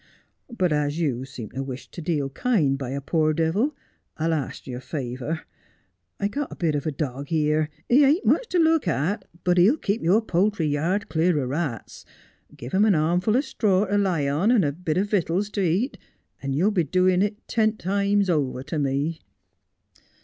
But as you seem to wish to deal kind by a poor devil, I'll arst you a favour. I've got a bit of a dog here. He ain't much to look at, but he'll keep your poultry yard clear o' rats. Give him a armful o' straw to he on and a bit o' vitals to eat, and you'll be doin' it ten times over to me.'